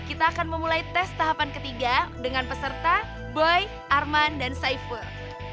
kita akan memulai tes tahapan ketiga dengan peserta boy arman dan saiful